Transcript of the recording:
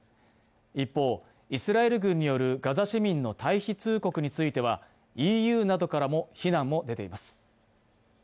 一方、イスラエル軍によるガザ市民の退避通告については、ＥＵなどからも非難も出ています。